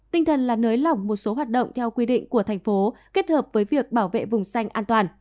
tinh thần là nới lỏng một số hoạt động theo quy định của thành phố kết hợp với việc bảo vệ vùng xanh an toàn